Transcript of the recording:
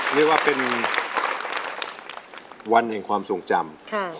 เรียกว่าเป็นวันแห่งความทรงจำ